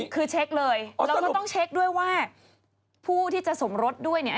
คือเช็คเลยแล้วก็ต้องเช็คด้วยว่าผู้ที่จะสมรสด้วยเนี่ย